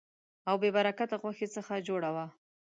او بې برکته غوښې څخه جوړه وه.